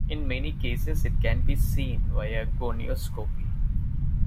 In many cases it can be seen via gonioscopy.